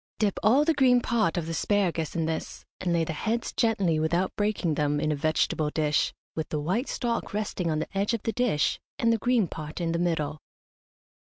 Dip all the green part of the asparagus in this, and lay the heads gently, without breaking them, in a vegetable dish, with the white stalk resting on the edge of the dish, and the green part in the middle.